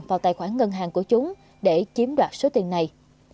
vào tài khoản ngân hàng của chúng để chiếm đoạt số tiền này